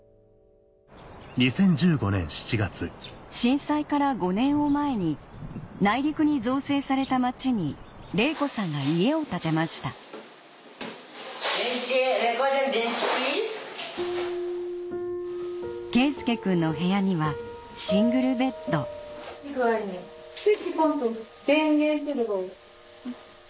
震災から５年を前に内陸に造成された町に玲子さんが家を建てました佳祐くんの部屋にはシングルベッドスイッチポンっと電源ってとこ。